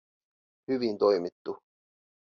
"hyvin toimittu".